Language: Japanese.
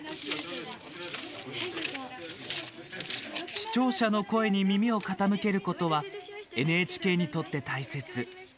視聴者の声に耳を傾けることはＮＨＫにとって大切。